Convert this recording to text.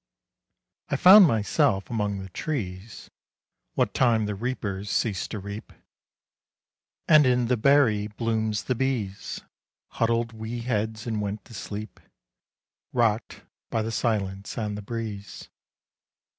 I found myself among the trees What time the reapers ceased to reap; And in the berry blooms the bees Huddled wee heads and went to sleep, Rocked by the silence and the breeze.